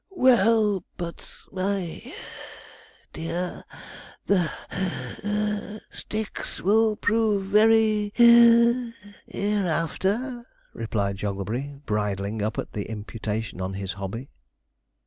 'Well, but, my (puff) dear, the (wheeze) sticks will prove very (wheeze) hereafter,' replied Jogglebury, bridling up at the imputation on his hobby.